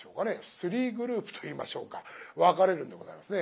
スリーグループと言いましょうか分かれるんでございますね。